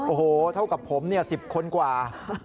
โอ้โหเท่ากับผมเนี่ยสิบคนกว่า